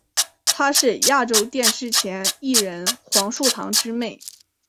她是亚洲电视前艺人黄树棠之妹。